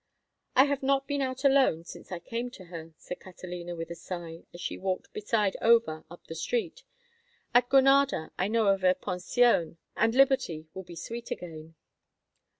"I have not been out alone since I came to her," said Catalina, with a sigh, as she walked beside Over up the street. "At Granada I know of a pension, and liberty will be sweet again."